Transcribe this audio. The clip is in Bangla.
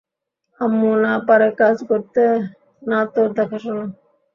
আম্মু না পারে কাজ করতে না তোর দেখাশোনা।